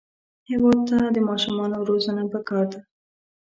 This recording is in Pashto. هېواد ته د ماشومانو روزنه پکار ده